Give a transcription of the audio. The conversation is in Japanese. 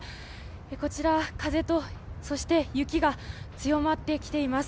こちら風と、そして雪が強まってきています。